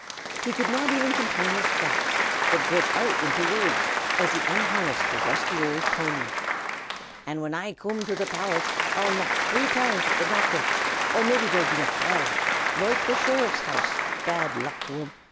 He could not even contain his thoughts, but broke out into words, as he unharnessed the rusty old pony. "An' whin I coom to the palace, I'll knock three times wid the knocker; or maybe there'll be a bell, loike the sheriff's house (bad luck to um!)